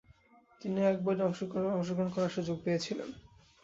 তিনি একবারই অংশগ্রহণ করার সুযোগ পেয়েছিলেন।